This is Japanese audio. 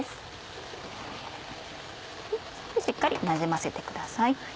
しっかりなじませてください。